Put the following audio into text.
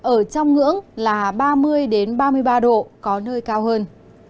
ở trong ngưỡng là ba mươi ba mươi ba độ có nơi cao hơn